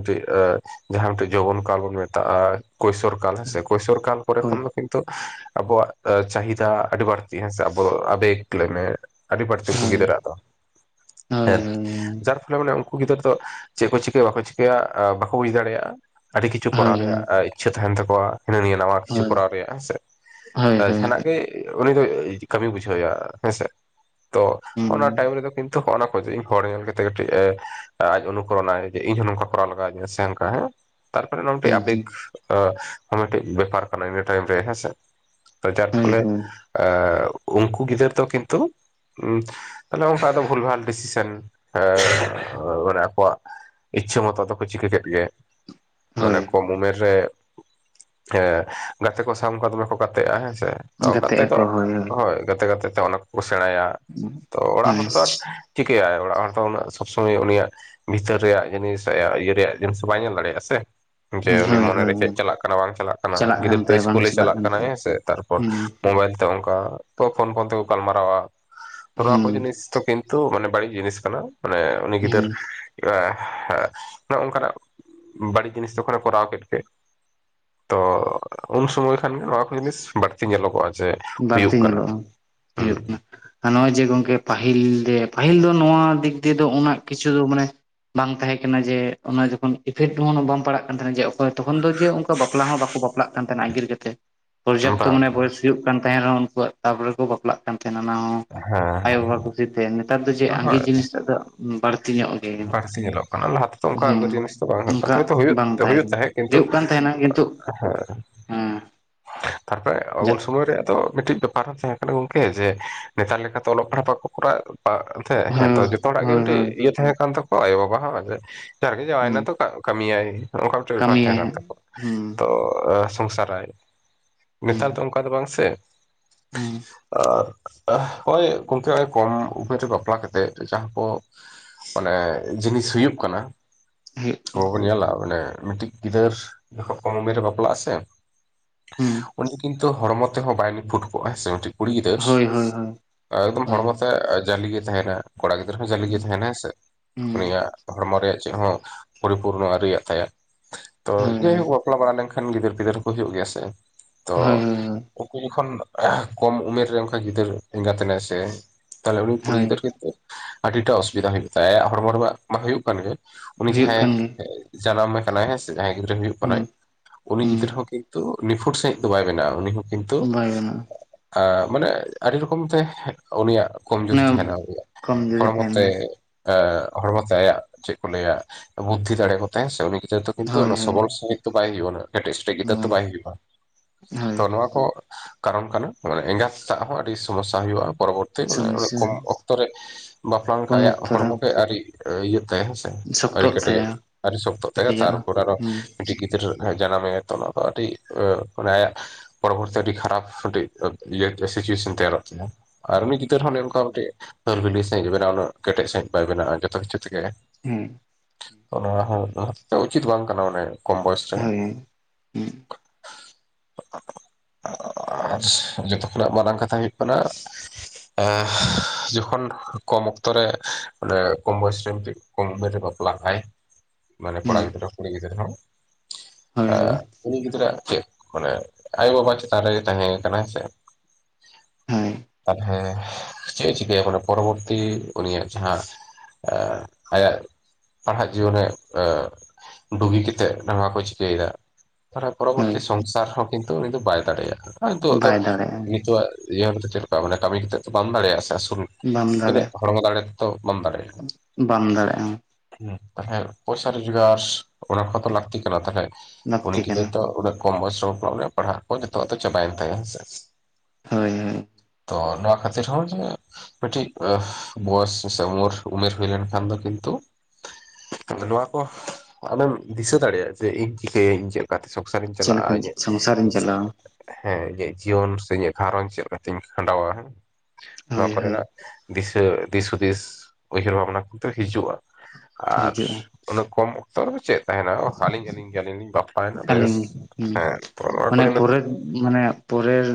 ᱡᱟᱦᱟᱸ ᱢᱤᱫᱴᱮᱱ ᱡᱳᱣᱵᱚᱱ ᱠᱟᱞ ᱵᱚᱱ ᱢᱮᱛᱟᱜ-ᱟ ᱠᱳᱭᱥᱚᱨ ᱠᱟᱞ ᱠᱳᱭᱥᱚᱨ ᱠᱟᱞ ᱠᱚᱨᱮ ᱦᱳᱭ ᱠᱷᱚᱱ ᱫᱚ ᱠᱤᱱᱛᱩ ᱟᱵᱚᱣᱟᱜ ᱪᱟᱦᱤᱫᱟ ᱟᱹᱰᱤ ᱵᱟᱹᱲᱛᱤ ᱦᱮᱸᱥᱮ ᱟᱵᱚᱫᱚ ᱟᱵᱮᱠ ᱞᱟᱹᱭ ᱢᱮ, ᱟᱹᱰᱤ ᱵᱟᱹᱲᱛᱤ ᱠᱚ ᱦᱳᱭ ᱜᱤᱫᱽᱨᱟᱹ ᱟᱠᱚ ᱫᱚ ᱦᱳᱭ ᱦᱳᱭ ᱦᱮᱞᱛ ᱡᱟᱨ ᱯᱷᱚᱞᱮ ᱢᱟᱱᱮ ᱩᱱᱠᱩ ᱜᱤᱫᱟᱹᱨ ᱛᱚ ᱪᱮᱫ ᱠᱚ ᱪᱤᱠᱟᱹᱭᱟ ᱵᱟᱠᱚ ᱪᱤᱠᱟᱹᱭᱟ ᱵᱟᱠᱚ ᱵᱩᱡ ᱫᱟᱲᱮᱭᱟᱜ-ᱟ ᱟᱹᱰᱤ ᱠᱤᱪᱷᱩ ᱠᱚᱨᱟᱣ ᱨᱮᱭᱟᱜ ᱤᱪᱪᱷᱟᱹ ᱛᱟᱦᱮᱱ ᱛᱟᱠᱚᱣᱟ ᱦᱤᱱᱟᱹ ᱱᱤᱭᱟᱹ ᱱᱟᱣᱟ ᱠᱤᱪᱷᱩ ᱦᱳᱭ ᱠᱚᱨᱟᱣ ᱨᱮᱭᱟᱜ ᱦᱮᱸᱥᱮ ᱦᱳᱭ ᱦᱳᱭ ᱡᱟᱦᱟᱱᱟᱜ ᱜᱮ ᱩᱱᱤ ᱫᱚᱭ ᱠᱟᱹᱢᱤ ᱵᱩᱡᱷᱟᱹᱣᱮᱭᱟ ᱦᱮᱸᱥᱮ ᱛᱚ ᱦᱩᱸ ᱚᱱᱟ ᱴᱟᱭᱤᱢ ᱨᱮᱫᱚ ᱠᱤᱱᱛᱩ ᱤᱧ ᱦᱚᱲ ᱧᱮᱞ ᱠᱟᱛᱮᱜ ᱠᱟᱹᱴᱤᱡ ᱚᱱᱩᱠᱚᱨᱚᱱᱟᱭ ᱡᱮ ᱤᱧ ᱦᱚᱸ ᱱᱚᱝᱠᱟ ᱠᱚᱨᱟᱣ ᱞᱟᱜᱟᱣ ᱤᱧ ᱥᱮ ᱦᱮᱸ ᱛᱟᱨᱯᱚᱨᱮ ᱦᱩᱸ ᱱᱚᱶᱟᱢᱤᱫᱴᱮᱡ ᱵᱮᱯᱟᱨ ᱠᱟᱱᱟ ᱤᱱᱟᱹ ᱴᱟᱭᱤᱢ ᱨᱮ ᱦᱮᱸᱥᱮ ᱡᱟᱨ ᱦᱳᱭ ᱯᱷᱚᱞᱮ ᱦᱳᱭ ᱮ ᱩᱱᱠᱩ ᱜᱤᱫᱽᱨᱟᱹ ᱫᱚ ᱠᱤᱱᱛᱩ ᱩ ᱛᱟᱦᱞᱮ ᱚᱱᱠᱟ ᱫᱚ ᱵᱷᱩᱞ ᱵᱷᱟᱞ ᱰᱤᱥᱤᱥᱮᱱ ᱢᱟᱱᱮ ᱟᱠᱚᱣᱟᱜ ᱤᱪᱪᱷᱟᱹ ᱢᱚᱛᱚ ᱛᱚᱠᱚ ᱠᱤᱪᱷᱤ ᱠᱮᱫ ᱜᱮ ᱢᱟᱱᱮ ᱦᱳᱭ ᱠᱚᱢ ᱩᱢᱮᱨ ᱨᱮ ᱜᱟᱛᱮ ᱠᱚ ᱥᱟᱶ ᱠᱚ ᱫᱚᱢᱮ ᱠᱚ ᱜᱟᱛᱮᱜ-ᱟ ᱦᱮᱸᱥᱮ ᱛᱟᱣ ᱠᱟᱛᱮ ᱫᱚ ᱦᱳᱭ ᱜᱟᱛᱮ ᱜᱟᱛᱮᱛᱮ ᱚᱱᱟ ᱠᱚᱠᱚ ᱥᱮᱬᱟᱭᱟ [unintelligible] ᱛᱚ ᱚᱲᱟᱜ ᱦᱚᱲ ᱛᱚ ᱟᱨ ᱪᱤᱠᱟᱹᱭᱟᱭ ᱚᱲᱟᱜ ᱦᱚᱲ ᱛᱚ ᱩᱱᱟᱹᱜ ᱥᱚᱵᱽᱥᱳᱢᱚᱭ ᱩᱱᱤᱭᱟᱜ ᱵᱷᱤᱛᱟᱹᱨ ᱨᱮᱭᱟᱜ ᱡᱤᱱᱤᱥ ᱟᱭᱟᱜ ᱤᱭᱟᱹ ᱨᱮᱭᱟᱜ ᱡᱤᱱᱤᱥ ᱵᱟᱭ ᱧᱮᱞ ᱫᱟᱲᱮᱭᱟᱜᱼᱟ ᱥᱮ ᱡᱮ ᱩᱱᱤ ᱦᱳᱭ ᱢᱚᱱᱮᱨᱮ ᱦᱳᱭ ᱪᱮᱫ ᱪᱟᱞᱟᱜ ᱠᱟᱱᱟ ᱵᱟᱝ ᱪᱟᱞᱟᱜ ᱠᱟᱱᱟ ᱜᱤᱫᱽᱨᱟᱹ ᱠᱟᱱ ᱛᱚ ᱛᱟᱭᱟ ᱵᱟᱝ ᱤᱥᱠᱩᱞᱮ ᱪᱟᱞᱟᱜ ᱠᱟᱱ ᱠᱟᱱᱟᱭ ᱛᱟᱭᱟ ᱦᱮᱸᱥᱮ ᱛᱟᱨᱯᱚᱨ ᱦᱩᱸ ᱢᱳᱵᱟᱭᱤᱞ ᱚᱱᱠᱟ ᱛᱚ ᱯᱷᱳᱱ ᱯᱷᱳᱱ ᱛᱮᱜᱮᱠᱚ ᱜᱟᱞᱢᱟᱨᱟᱣᱟ ᱱᱚᱣᱟ ᱠᱚ ᱦᱩᱸ ᱡᱤᱱᱤᱥ ᱠᱤᱱᱛᱩ ᱢᱟᱱᱮ ᱵᱟᱹᱲᱤᱡ ᱡᱤᱱᱤᱥ ᱠᱟᱱᱟ ᱢᱟᱱᱮ ᱩᱱᱤ ᱜᱤᱫᱟᱹᱨ ᱦᱩᱸ ᱱᱚ ᱱᱚᱝᱠᱟᱱᱟᱜ ᱵᱟᱹᱲᱤᱡ ᱡᱤᱱᱤᱥ ᱛᱚᱠᱷᱚᱱᱮ ᱠᱚᱨᱟᱣ ᱠᱮᱛᱜᱮ᱾ ᱛᱚ ᱩᱱ ᱥᱩᱢᱚᱭ ᱠᱷᱟᱱᱜᱮ ᱱᱚᱣᱟ ᱠᱚ ᱡᱤᱱᱤᱥ ᱵᱟᱹᱲᱛ ᱧᱮᱞᱚᱜᱚᱜ-ᱟ ᱡᱮ ᱦᱩᱭᱩᱜ ᱵᱟᱹᱲᱛᱤ ᱠᱟᱱᱟ ᱧᱮᱞᱚᱜᱼᱟ ᱦᱩᱸ ᱦᱩᱭᱩᱜ ᱠᱟᱱᱟ ᱟᱨ ᱱᱚᱜ-ᱚᱭ ᱡᱮ ᱜᱚᱝᱠᱮ ᱯᱟᱹᱦᱤᱞ ᱫᱮ ᱯᱟᱹᱦᱤᱞ ᱫᱚ ᱱᱚᱣᱟ ᱫᱤᱠ ᱫᱤᱭᱮ ᱫᱚ ᱩᱱᱟᱹᱜ ᱠᱤᱪᱷᱩ ᱫᱚ ᱢᱟᱱᱮ ᱵᱟᱝ ᱛᱟᱦᱮᱸ ᱠᱟᱱᱟ ᱡᱮ ᱚᱱᱟ ᱡᱚᱠᱷᱚᱱ ᱤᱯᱷᱮᱠᱴ ᱦᱚᱸ ᱵᱟᱝ ᱯᱟᱲᱟᱜ ᱠᱟᱱ ᱛᱟᱦᱮᱱᱟ ᱡᱮ ᱚᱠᱚᱭ ᱛᱚᱠᱷᱚᱱ ᱫᱚ ᱡᱮ ᱚᱱᱠᱟ ᱵᱟᱯᱞᱟ ᱦᱚᱸ ᱵᱟᱠᱚ ᱵᱟᱯᱞᱟᱜ ᱱᱟᱛᱮ ᱱᱟᱜ ᱟᱺᱜᱤᱨ ᱠᱮᱛᱮ ᱯᱚᱨᱡᱟᱯᱛᱚ ᱵᱟᱝ ᱢᱟᱱᱮ ᱵᱚᱭᱮᱥ ᱦᱩᱭᱩᱜ ᱠᱟᱱ ᱛᱟᱦᱮᱸᱱ ᱨᱮᱦᱚᱸ ᱩᱱᱠᱩᱣᱟᱜ ᱪᱟᱯ ᱨᱮᱠᱚ ᱵᱟᱯᱞᱟᱜ ᱠᱟᱱ ᱛᱟᱦᱮᱱᱟ ᱱᱟᱶᱟ ᱦᱮᱸ ᱟᱭᱟᱭ ᱦᱮᱸ ᱵᱟᱵᱟ ᱠᱚᱥᱛᱮ ᱱᱮᱛᱟᱨ ᱫᱚ ᱡᱮ ᱟᱸᱜᱤᱨ ᱦᱳᱭ ᱡᱤᱱᱤᱥ ᱢᱟᱜ ᱫᱚ ᱵᱟᱹᱲᱛᱤ ᱧᱚᱜ ᱜᱮ ᱵᱟᱹᱲᱛᱤ ᱧᱮᱞᱚᱜ ᱠᱟᱱᱟ ᱞᱟᱦᱟ ᱛᱮᱫᱚ ᱚᱱᱠᱟ ᱟᱸᱜᱤᱨ ᱦᱮᱸ ᱡᱤᱱᱤᱥ ᱫᱚ ᱵᱟᱝ ᱦᱩᱭᱩᱜ ᱠᱟᱱ ᱚᱱᱠᱟ ᱛᱟᱦᱮᱸ ᱦᱚᱭᱛᱳ ᱦᱩᱭᱩᱜ ᱵᱟᱝ ᱛᱟᱦᱮᱸ ᱦᱩᱭᱩᱜ ᱛᱟᱦᱮᱸᱫ ᱠᱟᱱᱟ ᱠᱤᱱᱛᱩ ᱦᱩᱭᱩᱜ ᱠᱟᱱ ᱛᱟᱦᱮᱱᱟ ᱠᱤᱱᱛᱩ ᱦᱮᱸ ᱦᱮᱸ ᱛᱟᱨᱯᱚᱨᱮ ᱩᱱ ᱥᱚᱢᱚᱭ ᱨᱮᱭᱟᱜ ᱫᱚ ᱢᱤᱫᱴᱤᱡ ᱵᱮᱯ ᱯᱟᱨᱠ ᱦᱚᱸ ᱛᱟᱦᱮᱸ ᱠᱟᱱᱟ ᱜᱚᱝᱠᱮ ᱡᱮ ᱱᱮᱛᱟᱨ ᱞᱮᱠᱟᱛᱚ ᱚᱞᱚᱜ ᱯᱟᱲᱦᱟᱜ ᱵᱟᱠᱚ ᱠᱚᱨᱟᱣ ᱵᱟ ᱮᱱᱛᱮ ᱦᱮᱸ ᱛᱚ ᱦᱳᱭ ᱡᱚᱛᱚ ᱦᱚᱲᱟᱜ ᱜᱮ ᱦᱳᱭ ᱢᱤᱫᱴᱮᱱ ᱦᱳᱭ ᱤᱭᱟᱹ ᱛᱟᱦᱮᱸ ᱠᱟᱱ ᱛᱟᱠᱚᱣᱟ ᱟᱭᱳᱵᱟᱵᱟ ᱦᱚᱸ ᱡᱮ ᱡᱟᱨᱜᱮ ᱦᱩᱸ ᱡᱟᱶᱟᱭᱮᱱᱟ ᱛᱚ ᱠᱟᱹᱢᱤᱭᱟᱭ ᱚᱱᱠᱟ ᱢᱤᱫᱴᱮᱱ ᱵᱮᱯᱟᱨ ᱠᱟᱹᱢᱤᱭᱟᱭ ᱛᱟᱦᱮᱸ ᱠᱟᱱ ᱦᱟᱸᱜ ᱛᱟᱠᱚᱣᱟ ᱦᱩᱸ ᱛᱚ ᱥᱚᱝᱥᱟᱨᱟᱭ, ᱦᱩᱸ ᱱᱮᱛᱟᱨ ᱫᱚ ᱚᱱᱠᱟ ᱫᱚ ᱵᱟᱝ ᱥᱮ ᱦᱩᱸ ᱟᱨ ᱟᱜ ᱱᱚᱜ-ᱚᱭ ᱜᱚᱢᱠᱮ ᱠᱚᱢ ᱩᱢᱮᱨ ᱨᱮ ᱵᱟᱯᱞᱟ ᱠᱟᱛᱮ ᱡᱟᱦᱟᱸ ᱠᱚ ᱢᱟᱱᱮ ᱡᱤᱱᱤᱥ ᱦᱩᱭᱩᱜ ᱠᱟᱱᱟ ᱦᱩᱭᱩᱜ ᱵᱚᱱ ᱧᱮᱞᱟ ᱢᱟᱱᱮ ᱢᱤᱫᱴᱤᱡ ᱜᱤᱫᱟᱹᱨ ᱡᱚᱠᱷᱚᱱ ᱠᱚᱢ ᱩᱢᱮᱨ ᱨᱮ ᱵᱟᱯᱞᱟᱜ-ᱟ ᱥᱮ ᱦᱩᱸ ᱩᱱᱤ ᱠᱤᱱᱛᱩ ᱦᱚᱲᱢᱚ ᱛᱮᱦᱚᱸ ᱵᱟᱭ ᱞᱤᱯᱷᱩᱴ ᱠᱚᱜ-ᱟ ᱦᱮᱸ ᱥᱮ ᱢᱤᱫᱴᱷᱤᱠ ᱠᱩᱲᱤ ᱜᱤᱫᱟᱹᱨ ᱦᱳᱭ ᱦᱳᱭ ᱦᱳᱭ ᱮᱠᱫᱚᱢ ᱦᱳᱭ ᱦᱚᱲᱢᱚ ᱛᱮ ᱡᱟᱹᱞᱤ ᱜᱮ ᱛᱟᱦᱮᱱᱟ ᱠᱚᱲᱟ ᱜᱤᱫᱟᱹᱨ ᱦᱚᱸ ᱡᱟᱹᱞᱤ ᱜᱮ ᱦᱩᱸ ᱛᱟᱦᱮᱱᱟ ᱦᱮᱸ ᱥᱮ ᱦᱩᱸ ᱩᱱᱤᱭᱟᱜ ᱦᱚᱲᱢᱚ ᱨᱮᱭᱟᱜ ᱪᱮᱫ ᱦᱚᱸ ᱯᱚᱨᱤᱯᱩᱨᱱᱚ ᱟᱹᱤᱭᱟᱜ ᱛᱟᱭᱟ ᱛᱚ ᱦᱳᱭ ᱦᱳᱭ ᱦᱳᱭ ᱡᱟᱭᱦᱚᱠ ᱵᱟᱯᱞᱟ ᱵᱟᱲᱟ ᱞᱮᱱᱠᱷᱟᱱ ᱜᱤᱫᱽᱟᱹᱨᱼ ᱯᱤᱫᱟᱹᱨ ᱦᱚᱸ ᱠᱚ ᱦᱩᱭᱩᱜ ᱜᱮᱭᱟ ᱥᱮ ᱛᱚ ᱦᱳᱭ ᱦᱳᱭ ᱩᱱᱠᱩ ᱡᱚᱠᱷᱚᱱ ᱠᱚᱢ ᱩᱢᱮᱨ ᱨᱮ ᱚᱱᱠᱟ ᱜᱤᱫᱟᱹᱨ ᱮᱸᱜᱟᱛᱮᱱᱟᱭ ᱥᱮ ᱛᱟᱦᱚᱞᱮ ᱩᱱᱤ ᱠᱩᱲᱤ ᱦᱳᱭ ᱜᱤᱫᱟᱹᱨᱟᱹ ᱠᱤᱱᱛᱩ ᱟᱹᱰᱤᱴᱟ ᱚᱥᱩᱵᱤᱫᱟ ᱦᱩᱭᱩᱜᱭ ᱛᱟᱭᱟ ᱟᱭᱟᱜ ᱦᱚᱲᱢᱚ ᱨᱮᱱᱟᱜ ᱢᱟ ᱦᱳᱭᱳᱜ ᱠᱟᱱ ᱜᱮ ᱩᱱᱤ ᱦᱩᱭᱩᱜ ᱡᱟᱦᱟᱸᱭ ᱠᱟᱱ ᱜᱮᱭᱟ ᱡᱟᱱᱟᱢᱮ ᱠᱟᱱᱟᱭᱸ ᱥᱮ ᱡᱟᱦᱟᱸᱭ ᱜᱤᱫᱽᱨᱟᱹ ᱦᱩᱭᱩᱜ ᱦᱩᱸ ᱠᱟᱱᱟᱭ ᱩᱱᱤ ᱦᱩᱸ ᱜᱤᱫᱽᱨᱟᱹ ᱦᱚᱸ ᱠᱤᱱᱛᱩ ᱱᱤᱯᱷᱩᱴ ᱥᱟᱺᱦᱤᱡ ᱫᱚ ᱵᱟᱭ ᱵᱮᱱᱟᱜᱼᱟ ᱩᱱᱤ ᱦᱚᱸ ᱠᱤᱱᱛᱩ ᱵᱟᱭ ᱜᱟᱱᱚᱜᱼᱟ ᱟ ᱢᱟᱱᱮ ᱟᱹᱰᱤ ᱨᱚᱠᱚᱢ ᱛᱮ ᱩᱱᱤᱭᱟᱜ ᱠᱚᱢᱡᱩᱨᱤ ᱚᱱᱟ ᱛᱟᱦᱮᱱᱟ ᱩᱱᱤᱭᱟᱜ ᱠᱚᱢ ᱡᱩᱫᱤ ᱦᱚᱲᱢᱚ ᱛᱮ ᱛᱟᱦᱮᱱᱟ ᱦᱚᱲᱢᱚ ᱛᱮ ᱟᱭᱟᱜ ᱪᱮᱫ ᱠᱚ ᱞᱟᱹᱭᱟ ᱵᱩᱫᱽᱫᱷᱤ ᱫᱟᱲᱮ ᱠᱚᱛᱮ ᱥᱮ ᱩᱱᱤ ᱡᱦᱮᱛᱩ ᱠᱤᱱᱛᱩ ᱦᱳᱭ ᱚᱱᱟ ᱦᱳᱭ ᱥᱚᱵᱚᱞ ᱥᱟᱸᱦᱤᱡ ᱛᱚ ᱵᱟᱭ ᱦᱩᱭᱜᱟ ᱩᱜᱱᱟ. ᱠᱮᱴᱮᱥᱡ ᱥᱮᱴᱮᱡ ᱜᱤᱫᱟᱹᱨ ᱫᱚ ᱵᱟᱝ ᱵᱟᱭ ᱦᱩᱭᱩᱜᱼᱟ ᱦᱳᱭ ᱛᱚ ᱱᱚᱣᱟ ᱠᱚ ᱠᱟᱨᱚᱱ ᱠᱟᱱᱟ ᱢᱟᱱᱮ ᱮᱸᱜᱟᱛ ᱥᱮᱛᱟᱜ ᱦᱚᱸ ᱟᱹᱰᱤ ᱥᱚᱢᱚᱥᱟ ᱦᱩᱭᱩᱜᱼᱟ ᱯᱚᱨᱚᱵᱚᱨᱛᱤ ᱥᱚᱢᱚᱥᱥᱟ ᱠᱚᱢ ᱚᱠᱛᱚ ᱨᱮ ᱵᱟᱯᱞᱟ ᱞᱮᱱᱠᱷᱟᱱ ᱠᱚᱢ ᱟᱭᱟᱜ ᱚᱠᱛᱚ ᱨᱮ ᱦᱚᱲᱢᱚ ᱠᱮ ᱟᱰᱤ ᱤᱭᱟᱹᱜ ᱛᱟᱭᱟ ᱦᱮᱸ ᱥᱮ ᱟᱨᱤ ᱥᱚᱠᱛᱚᱜ ᱠᱮᱴᱮᱡᱚᱜ ᱛᱟᱭᱟ ᱟᱨᱤ ᱥᱚᱠᱛᱚᱜ ᱛᱟᱦᱮᱸ ᱠᱮᱴᱮᱡᱚᱜᱼᱟ ᱛᱟᱨᱯᱚᱨ ᱟᱨ ᱦᱩᱸ ᱴᱤᱴᱤᱜᱤ ᱜᱤᱫᱽᱨᱟᱹᱡᱟᱱᱟᱢ ᱢᱮᱛᱟᱭ ᱛᱚ ᱱᱟᱚ ᱟᱹᱰᱤ ᱢᱚᱱᱮ ᱟᱭᱟᱜ ᱯᱚᱨᱚᱵᱚᱨᱛᱤ ᱟᱹᱰᱤ ᱠᱷᱟᱨᱟᱯ ᱢᱤᱫ ᱥᱤᱪᱩᱭᱮᱥᱚᱱ ᱛᱮᱭᱟᱨᱚᱜ ᱛᱟᱭᱟ ᱟᱨ ᱢᱤᱫ ᱛᱟᱹᱳ ᱨᱮ ᱦᱚᱸ ᱦᱳᱭ ᱚᱱᱠᱟ ᱢᱤᱫᱴᱤᱡ ᱦᱞ ᱵᱷᱤᱰᱤ ᱥᱟᱸᱦᱤᱡ ᱵᱮᱱᱟ ᱩᱱᱟᱹᱜ ᱠᱮᱴᱮᱡ ᱥᱟᱦᱤᱡ ᱵᱟᱭ ᱵᱮᱱᱟᱜᱼᱟ ᱡᱚᱛᱚ ᱠᱤᱪᱷᱩ ᱛᱮᱜᱮ ᱦᱩᱸ ᱚᱱᱟ ᱦᱚᱸ ᱚᱱᱟ ᱛᱮ ᱩᱪᱤᱛ ᱵᱟᱝ ᱠᱟᱱᱟ ᱚᱱᱮ ᱠᱚᱢ ᱵᱚᱭᱮᱥᱨᱮ ᱦᱳᱭ ᱦᱩᱸ ᱦᱩᱸ [inaudible] ᱟᱨ ᱡᱚᱛᱚ ᱠᱷᱚᱱᱟᱜ ᱢᱟᱨᱟᱝ ᱠᱟᱛᱷᱟ ᱦᱩᱭᱩᱜ ᱠᱟᱱᱟ ᱮᱦ ᱡᱚᱠᱷᱚᱱ ᱠᱚᱢ ᱚᱠᱛᱚ ᱨᱮ ᱚᱰᱮ ᱠᱚᱢ ᱵᱚᱭᱚᱥᱨᱮ ᱠᱚᱢ ᱩᱢᱮᱨ ᱨᱮ ᱵᱟᱯᱞᱟᱜᱟᱭ ᱢᱟᱱᱮ ᱠᱚᱲᱟ ᱜᱤᱫᱽᱨᱟᱹ ᱠᱩᱲᱤ ᱜᱤᱫᱽᱨᱟᱹ ᱦᱚᱸ ᱦᱳᱭ ᱮ ᱦᱳᱭ ᱩᱲᱤ ᱜᱤᱫᱽᱨᱟᱹᱭᱟᱜ ᱪᱮᱫ ᱢᱟᱱᱮ ᱟᱭᱳ ᱵᱟᱵᱟ ᱪᱮᱛᱟᱱ ᱨᱮ ᱛᱟᱦᱮᱸ ᱠᱟᱱᱟᱭ ᱥᱮ ᱦᱳᱭ ᱛᱟᱞᱦᱮ ᱪᱮᱫᱼ ᱮ ᱪᱤᱠᱟᱹᱭᱟ ᱢᱟᱱᱮ ᱯᱚᱨᱚᱵᱚᱨᱛᱤ ᱩᱱᱤᱭᱟᱜ ᱡᱟᱦᱟᱸ ᱮ ᱟᱭᱟᱜ ᱯᱟᱲᱦᱟᱜ ᱡᱤᱭᱚᱱᱮ ᱰᱩᱜᱩᱜᱤᱛᱮᱫ ᱱᱟᱣᱟ ᱠᱚ ᱪᱤᱠᱟᱹᱭ ᱫᱟ ᱛᱟᱦᱞᱮ ᱦᱳᱭ ᱯᱚᱨᱚᱵᱚᱨᱛᱤ ᱥᱚᱝᱥᱟᱨ ᱦᱚᱸ ᱠᱤᱱᱛᱩ ᱩᱱᱤ ᱫᱚ ᱵᱟᱭ ᱫᱟᱲᱮᱭᱟᱜᱼᱟ ᱵᱟᱭ ᱤᱛᱩᱭᱟᱜ ᱫᱟᱲᱮᱭᱟᱜᱼᱟ ᱱᱤᱛᱚᱜᱼᱟᱜ ᱡᱤᱭᱚᱱ ᱨᱮ ᱪᱮᱫ ᱞᱮᱠᱟ ᱢᱟᱱᱮ ᱠᱟᱹᱢᱤ ᱠᱟᱛᱮᱜ ᱛᱚ ᱵᱟᱢ ᱫᱟᱲᱮᱭᱟᱜᱼᱟ ᱥᱮ ᱟᱹᱥᱩᱞ ᱛᱤᱱᱟ. ᱜ ᱦᱚᱲᱢᱚ ᱫᱲᱮᱛᱮᱛᱚ ᱩᱜ ᱵᱟᱢ ᱫᱟᱲᱮᱭᱟᱜᱼᱟ ᱦᱮᱸ ᱦᱩᱸ ᱛᱟᱦᱮᱸ ᱯᱚᱭᱥᱟ ᱨᱳᱡᱽᱜᱟᱨ ᱚᱱᱟ ᱠᱚᱛᱚ ᱞᱟᱹᱠᱛᱤ ᱠᱟᱱᱟ ᱛᱟᱦᱚᱞᱮ ᱩᱱᱤ ᱞᱟᱹᱠᱛᱤ ᱜᱤᱫᱽᱨᱟᱹ ᱠᱟᱱᱟ ᱫᱚ ᱩᱱᱟᱹᱜ ᱠᱚᱢ ᱵᱚᱥᱭᱚᱥ ᱠᱚᱜᱢᱮ ᱯᱟᱲᱦᱟᱜ ᱠᱚ ᱡᱚᱛᱚᱣᱟᱜ ᱫᱚ ᱪᱟᱵᱟᱭᱮᱱ ᱛᱟᱭᱟ ᱦᱮᱸᱥᱮ ᱦᱳᱭ ᱦᱳᱭ ᱛᱚ ᱱᱚᱱᱟ ᱠᱷᱟᱹᱛᱤᱨ ᱦᱚᱸ ᱡᱮ ᱢᱤᱫᱴᱤᱡ ᱵᱚᱭᱚᱥ ᱥᱮ ᱩᱢᱳᱨ ᱩᱢᱮᱨ ᱦᱩᱭ ᱞᱮᱱ ᱠᱷᱟᱱ ᱫᱚ ᱠᱤᱱᱛᱩ ᱱᱚᱣᱟ ᱠᱚ ᱟᱢᱮᱢ ᱫᱤᱥᱟᱹ ᱫᱟᱲᱮᱭᱟᱜᱼᱟ ᱡᱮ ᱤᱧ ᱪᱤᱠᱟᱹᱭᱟᱹᱧ ᱪᱮᱫ ᱠᱟᱛᱮ ᱥᱚᱠᱥᱟᱨᱤᱧ ᱪᱮᱫ ᱞᱮᱠᱟ ᱪᱟᱞᱟᱜᱼᱟ ᱡᱮ ᱥᱚᱝᱥᱟᱨᱤᱧ ᱡᱤ ᱪᱟᱞᱟᱣᱟ ᱦᱮᱸ ᱤᱧᱟᱹᱜ ᱡᱤᱭᱚᱱ ᱥᱮ ᱤᱧᱟᱹᱜ ᱜᱸᱷᱟᱨᱚᱡᱽ ᱪᱮᱫ ᱞᱮᱠᱟᱛᱤᱧ ᱠᱷᱟᱸᱰᱟᱣᱟ ᱱᱚᱣᱟ ᱦᱳᱭ ᱦᱳᱭ ᱠᱚᱨᱮᱱᱟᱜ ᱫᱤᱥᱟᱹ ᱫᱤᱥ ᱦᱩᱫᱤᱥ ᱩᱭᱦᱟᱹᱨ ᱵᱷᱟᱵᱽᱱᱟ ᱠᱚᱛᱮ ᱦᱤᱡᱩᱜᱼᱟ ᱟᱨ ᱦᱤᱡᱩᱜᱼᱟ ᱩᱱᱟᱹ ᱠᱚᱢ ᱚᱠᱛᱚ ᱫᱚ ᱪᱮᱫ ᱛᱟᱦᱮᱱᱟ ᱚ ᱟᱹᱞᱤᱧ ᱟᱹᱞᱤᱧ ᱜᱮ ᱟᱞᱤᱧ ᱞᱤᱧ ᱵᱟᱯᱟᱭᱱᱟ ᱟᱹᱞᱤᱧ ᱦᱩᱸ ᱢᱟᱱᱮ ᱯᱚᱨᱮᱨ ᱢᱟᱱᱮ ᱯᱚᱨᱮᱨ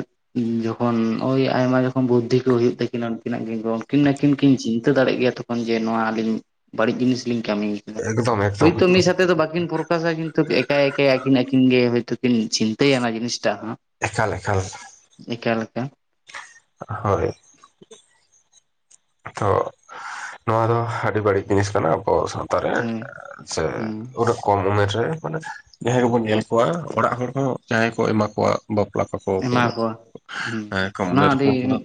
ᱡᱚᱠᱷᱚᱱ ᱳᱭ ᱟᱭᱢᱟ ᱡᱚᱠᱷᱚᱱ ᱵᱩᱫᱽᱫᱷᱤ ᱠᱚ ᱦᱩᱭᱩᱜ ᱛᱟᱹᱠᱤᱱᱟ ᱩᱱᱠᱤᱱᱟᱜ ᱜᱮ ᱛᱚ ᱩᱱᱠᱤᱱ ᱟᱠᱤᱱ ᱠᱤᱱ ᱪᱤᱱᱛᱟᱹ ᱫᱟᱲᱮᱜ ᱜᱮᱭᱟ ᱛᱚᱠᱷᱚᱱ ᱡᱮ ᱱᱚᱣᱟ ᱟᱹᱞᱤᱧ ᱵᱟᱹᱲᱤᱡ ᱡᱤᱱᱤᱥ ᱞᱤᱧ ᱠᱟᱹᱢᱤᱭᱟ ᱠᱮᱫᱟ ᱮᱠᱫᱚᱢ ᱮᱠᱫᱚᱢ ᱦᱳᱭᱛᱚ ᱢᱤᱫ ᱮᱠᱫᱚᱢ ᱥᱟᱛᱮ ᱫᱚ ᱵᱟᱠᱤᱱ ᱯᱨᱠᱟᱥᱟ ᱠᱤᱱᱛᱩ ᱮ ᱮᱠ ᱮᱠ ᱟᱠᱤᱱ ᱟᱠᱤᱱ ᱜᱮ ᱦᱚᱭᱛ ᱠᱤᱱ ᱪᱤᱱᱛᱟ. ᱭᱟ ᱚᱱᱟ ᱡᱤᱱᱤᱥᱴ ᱦᱚᱸ ᱮᱠᱟᱞ ᱮᱠᱟᱞ ᱮᱠᱟᱞ ᱮᱠᱟᱞ ᱦᱳᱭ ᱛᱚ ᱱᱚᱣᱟ ᱫᱚ ᱟᱹᱰᱤ ᱵᱟᱹᱲᱤᱡ ᱡᱤᱱᱤᱥ ᱠᱟᱱᱟ ᱠᱚ ᱥᱟᱶᱛᱟ ᱨᱮ ᱦᱳᱭ ᱥᱮ ᱦᱩᱸ ᱩᱰᱩᱠ ᱠᱚᱢ ᱩᱢᱮᱨ ᱨᱮ ᱢᱟᱱᱮ ᱡᱟᱦᱟᱸᱭ ᱠᱚᱵᱚᱱ ᱧᱮᱞ ᱠᱚᱣᱟ ᱚᱲᱟᱜ ᱦᱚᱲ ᱦᱚᱸ ᱡᱟᱦᱟᱸᱟᱭ ᱠᱚ ᱮᱢᱟ ᱠᱚᱣᱟ ᱵᱟᱯᱞᱟ ᱮᱢᱟ ᱠᱟᱠᱚᱣᱟᱠᱚᱱᱟᱜ ᱠᱚᱣᱟ ᱦᱩᱸ ᱮᱸ ᱠᱚᱢ ᱚᱱᱟ ᱩᱢᱮᱨ ᱨᱮᱠᱚ ᱟᱹᱰᱤ ᱵᱟᱯᱞᱟ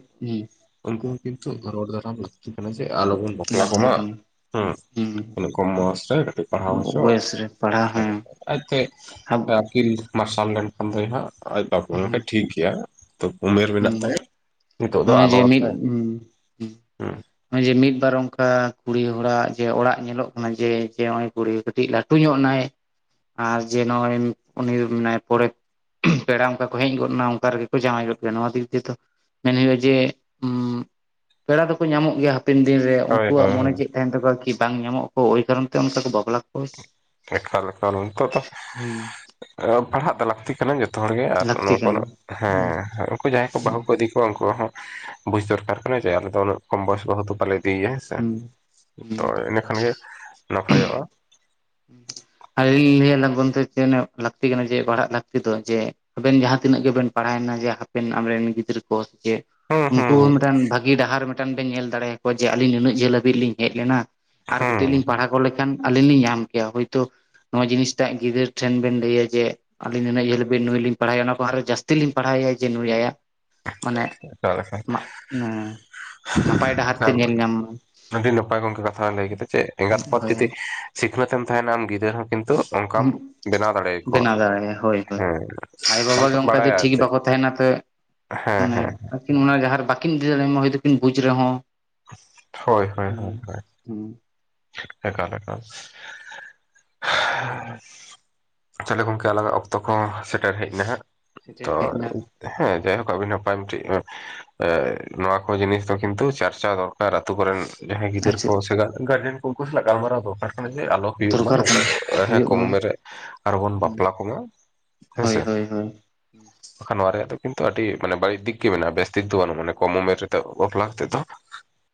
ᱩᱱᱠᱩ ᱦᱚᱸ ᱠᱤᱱᱛᱩ ᱨᱚᱲ ᱫᱟᱨᱟᱢ ᱞᱟᱹᱠᱛᱤ ᱠᱟᱱᱟ ᱡᱮ ᱟᱞᱚᱵᱚᱱ ᱵᱟᱯᱞᱟ ᱞᱟᱜᱛᱤ ᱠᱚᱢᱟ ᱠᱟᱱᱟ ᱦᱮᱸ ᱦᱩᱸ ᱤᱱᱟᱹ ᱠᱚᱢ ᱵᱚᱭᱚᱥ ᱨᱮ ᱠᱟᱹᱴᱤᱡ ᱯᱟᱲᱦᱟᱣ ᱦᱚᱪᱚ ᱵᱚᱭᱮᱥ ᱨᱮ ᱯᱟᱲᱦᱟᱣ ᱦᱮᱸ ᱟᱡᱛᱮ ᱟᱵᱚ ᱟᱹᱯᱤᱞ ᱢᱟᱨᱥᱟᱞ ᱞᱮᱱᱠᱷᱟᱱ ᱫᱚᱭ ᱦᱟᱸᱜ ᱟᱡ ᱵᱟᱠᱚᱠᱷᱱ ᱦᱩᱸ ᱴᱷᱤᱠ ᱜᱮᱭᱟ ᱛᱚ ᱩᱢᱮᱨ ᱢᱮᱱᱟᱜ ᱦᱩᱸ ᱛᱟᱭᱟ ᱱᱤᱛᱚᱜ ᱫᱚ ᱱᱚᱜᱼᱚᱭ ᱡᱮ ᱟᱞᱚᱣᱟᱛᱟᱭᱟ ᱦᱮᱸ ᱱᱚᱜᱚᱭ ᱡᱮ ᱢᱤᱫ ᱵᱟᱨ ᱚᱱᱠᱟ ᱠᱩᱲᱤ ᱦᱚᱲᱟᱜ ᱡᱮ ᱚᱲᱟᱜ ᱧᱮᱞᱚᱜ ᱠᱟᱱᱟ ᱡᱮ ᱱᱚᱜ ᱚᱭ ᱠᱩᱲᱤ ᱠᱟᱹᱴᱤᱡ ᱞᱟᱹᱴᱩ ᱞᱟᱹᱴᱩ ᱧᱚᱜ ᱱᱟᱭ ᱟᱨ ᱡᱮ ᱱᱚᱜᱚᱭ ᱩᱱᱤ ᱢᱮᱱᱟᱭ ᱯᱚᱨᱮ ᱯᱮᱲᱟ ᱚᱱᱠᱟ ᱠᱚ ᱦᱮᱡ ᱜᱚᱫ ᱮᱱᱟ ᱚᱱᱠᱟ ᱨᱮᱜᱮ ᱠᱚ ᱡᱟᱶᱟᱭ ᱜᱚᱫ ᱱᱚᱣᱟ ᱫᱤᱠ ᱫᱤᱭᱮ ᱫᱚ ᱢᱮᱱ ᱦᱩᱭᱩᱜᱼᱟ ᱡᱮ ᱯᱮᱲᱟ ᱫᱚᱠᱚ ᱧᱟᱢᱚᱜ ᱜᱮᱭᱟ ᱦᱟᱯᱮᱱ ᱫᱤᱱ ᱨᱮ ᱦᱳᱭ ᱩᱱᱠᱩᱣᱟᱜ ᱢᱚᱱᱮ ᱦᱳᱭ ᱪᱮᱫᱠᱟᱭᱮᱱ ᱛᱟᱠᱚᱣᱟ ᱠᱤ ᱵᱟᱝ ᱧᱟᱢᱚᱜ ᱟᱠᱚ ᱳᱭ ᱠᱟᱨᱚᱱ ᱛᱮ ᱚᱱᱠᱟ ᱵᱟᱯᱞᱟ ᱠᱚ ᱮᱠᱟᱞ ᱮᱠᱟᱞ ᱱᱤᱛᱚᱜ ᱫᱚ ᱦᱩᱸ ᱯᱟᱲᱦᱟᱜ ᱫᱚ ᱞᱟᱹᱠᱛᱤ ᱠᱟᱱᱟ ᱡᱚᱛᱚ ᱡᱚᱛᱚ ᱦᱚᱲ ᱜᱮ ᱟᱨ ᱞᱟᱹᱠᱛᱤ ᱱᱚᱣᱟᱠᱩ ᱠᱟᱱᱟ ᱦᱩᱸ ᱦᱮᱸ ᱩᱱᱠᱩ ᱡᱟᱦᱟᱸᱭ ᱠᱚ ᱦᱩᱸ ᱵᱦᱩ ᱠᱚ ᱤᱫᱤ ᱩᱱᱠᱩ ᱦᱚᱸ ᱵᱩᱡ ᱫᱚᱨᱠᱟᱨ ᱠᱟᱱᱟ ᱡᱮ ᱟᱞᱮ ᱫᱚ ᱩᱱᱟᱹᱜ ᱠᱚᱢ ᱵᱚᱭᱚᱥ ᱵᱟᱦᱩ ᱫᱚ ᱵᱟᱞᱮ ᱤᱫᱤᱭᱮᱭᱟ ᱦᱮᱸ ᱥᱮ ᱦᱩᱸ ᱦᱩᱸ ᱛᱚ ᱤᱱᱟᱹ ᱠᱷᱟᱱ ᱜᱮ ᱱᱟᱯᱟᱭᱚᱜᱼᱟ ᱟᱹᱞᱤᱧ ᱞᱤᱧ ᱞᱟᱹᱭᱟ ᱞᱟᱹᱠᱛᱤ ᱠᱟᱱᱟ ᱡᱮ ᱯᱟᱲᱦᱟᱜ ᱞᱟᱹᱠᱛᱤ ᱫᱚ ᱡᱮ ᱟᱵᱮᱱ ᱡᱟᱦᱟᱸ ᱛᱤᱱᱟᱹᱜ ᱜᱮᱵᱮᱱ ᱯᱟᱲᱦᱟᱭᱮᱱᱟ ᱡᱮ ᱦᱟᱯᱮᱱ ᱟᱢᱨᱮᱱ ᱜᱤᱫᱽᱨᱟᱹ ᱠᱚ ᱪᱮᱫ ᱦᱩᱸ ᱦᱩᱸ ᱩᱱᱠᱩ ᱢᱤᱫᱴᱮᱱ ᱵᱷᱟᱹᱜᱤ ᱰᱟᱦᱟᱨ ᱢᱤᱫᱴᱮᱱ ᱵᱮᱱ ᱧᱮᱞ ᱫᱟᱲᱮᱭᱟᱠᱚᱣᱟ ᱡᱮ ᱟᱹᱞᱤᱧ ᱱᱤᱱᱟᱹᱜ ᱡᱟᱹᱞ ᱦᱟᱹᱵᱤᱡ ᱞᱤᱧ ᱦᱮᱡ ᱞᱮᱱᱟ ᱟᱨ ᱦᱩᱸ ᱠᱟᱹᱴᱤᱡ ᱞᱤᱧ ᱯᱟᱲᱦᱟᱣ ᱠᱚᱜ ᱞᱮᱠᱷᱟᱱ ᱟᱹᱞᱤᱧ ᱞᱤᱧ ᱧᱟᱢ ᱠᱮᱭᱟ ᱦᱳᱭ ᱛᱚ ᱱᱚᱣᱟ ᱡᱤᱱᱤᱥᱴᱟᱜ ᱜᱤᱫᱟᱹᱨ ᱴᱷᱮᱱ ᱵᱮᱱ ᱞᱟᱹᱭᱟ ᱡᱮ ᱟᱹᱞᱤᱧ ᱱᱩᱱᱟᱹᱜ ᱡᱦᱟ. ᱞ ᱦᱟᱵᱤᱡ ᱱᱩᱭ ᱞᱤᱧ ᱯᱟᱲᱦᱟᱣᱮᱭᱟ ᱚᱱᱟᱠᱦᱱ ᱦᱚ ᱟᱨᱦᱚᱸ ᱡᱟᱹᱥᱛᱤ ᱞᱤᱧ ᱯᱟᱲᱦᱟᱣᱮᱭᱟ ᱡᱮ ᱱᱩᱭ ᱟᱭᱟᱜ ᱢᱟᱱᱮ ᱡᱟᱜ ᱱᱮ ᱠᱷᱟᱱ ᱟᱹᱰᱤ ᱱᱟᱯᱟᱭ ᱜᱚᱝᱠᱮ ᱠᱟᱛᱷᱟ ᱵᱮᱱ ᱞᱟᱹᱭ ᱠᱮᱫᱟ ᱡᱮ ᱮᱸᱜᱟᱛ ᱟᱯᱟᱛ ᱦᱳᱭ ᱡᱩᱫᱤ ᱥᱤᱠᱷᱱᱟᱹᱛ ᱮᱢ ᱛᱟᱦᱮᱱᱟ ᱟᱢ ᱜᱤᱫᱽᱟᱹᱨ ᱦᱚᱸ ᱠᱤᱱᱛᱩ ᱚᱱᱠᱟᱢ ᱵᱮᱱᱟᱣ ᱫᱟᱲᱮᱭᱟᱠᱚᱣᱟ ᱵᱮᱱᱟᱣ ᱫᱟᱲᱮᱭᱟᱜᱼᱟ ᱦᱳᱭ ᱦᱳᱭ ᱦᱮᱸ ᱟᱭᱳ ᱵᱟᱵᱟ ᱟᱢ ᱜᱮ ᱛᱚᱢ ᱚᱱᱠᱟ ᱡᱮ ᱵᱟᱲᱟᱭᱟ ᱴᱷᱤᱠ ᱮᱱᱛᱮᱫ ᱵᱟᱠᱚ ᱦᱮᱸ ᱦᱮᱸ ᱟᱠᱤᱱ ᱢᱟ ᱡᱟᱦᱟᱸᱨᱮ ᱵᱟᱠᱤᱱ ᱤᱫᱤ ᱫᱟᱲᱮᱭᱟᱡᱟ ᱦᱚᱭᱛᱚᱠᱤᱱ ᱵᱩᱡᱽ ᱨᱮᱦᱚᱸ? ᱦᱚᱭ ᱦᱚᱭ ᱦᱚᱭ᱾ ᱦᱩᱸ᱾ [unintelligible] ᱛᱟᱦᱞᱮ ᱜᱚᱝᱠᱮ ᱟᱞᱟᱝᱟᱜ ᱚᱠᱛᱚ ᱠᱚᱸᱦᱚ ᱥᱮᱴᱮᱨ ᱦᱮᱡ ᱮᱱᱟ ᱦᱟᱸᱜ᱾ ᱥᱮᱴᱮᱨ ᱛᱚ ᱦᱮᱡ ᱮᱱᱟ ᱦᱮᱸ ᱡᱟ. ᱭᱦᱚᱠ ᱟᱹᱰᱤ ᱱᱟᱯᱟᱭ ᱢᱤᱫᱴᱤᱡ ᱱᱚᱣᱟ ᱠᱚ ᱡᱤᱱᱤᱥ ᱫᱚ ᱠᱤᱱᱛᱩ ᱪᱟᱨᱪᱟ ᱫᱚᱨᱠᱟᱨ ᱟᱹᱛᱩ ᱠᱚᱨᱮᱱ ᱡᱟᱦᱟᱸᱭ ᱟᱨ ᱜᱤᱫᱟᱹᱨ ᱠᱚ ᱪᱮᱫ ᱥᱮ ᱜᱟᱨᱡᱮᱱ ᱠᱚ ᱩᱱᱠᱩ ᱥᱟᱞᱟᱜ ᱜᱟᱞᱢᱟᱨᱟᱣ ᱫᱚᱨᱠᱟᱨ᱾ ᱟᱞᱚ ᱦᱩᱭᱩᱜ ᱢᱟ ᱫᱚᱨᱠᱟᱨ ᱱᱚᱝᱠᱟ ᱠᱟᱱᱟ ᱫᱚ ᱦᱮᱸ ᱦᱩᱭᱩᱜ ᱠᱚᱢ ᱢᱟ ᱩᱢᱮᱨ ᱨᱮ ᱟᱞᱚ ᱵᱚᱱ ᱵᱟᱯᱞᱟ ᱠᱚᱢᱟ᱾ ᱦᱚᱭ ᱦᱮᱸᱥᱮ ᱦᱚᱭ ᱦᱚᱭ᱾ ᱵᱟᱠᱷᱟᱱ ᱱᱚᱣᱟ ᱨᱮᱭᱟᱜ ᱫᱚ ᱠᱤᱱᱛᱩ ᱟᱹᱰᱤ ᱢᱟᱱᱮ ᱵᱟᱹᱲᱤᱡ ᱫᱤᱠ ᱜᱮ ᱢᱮᱱᱟᱜᱼᱟ ᱵᱮᱥ ᱫᱤᱠ ᱫᱚ ᱵᱟᱹᱱᱩᱜᱼᱟ ᱢᱟᱱᱮ ᱠᱚᱢ ᱩᱢᱮᱨ ᱨᱮᱫᱚ ᱵᱟᱯᱞᱟ ᱛᱮᱫᱚ᱾